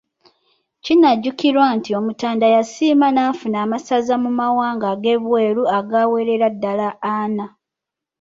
Kinajjukirwa nti Omutanda yasiima n’afuna amasaza mu mawanga ageebweru agawerera ddala ana.